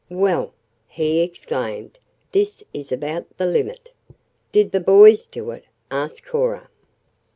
"Well," he exclaimed, "this is about the limit!" "Did the boys do it?" asked Cora.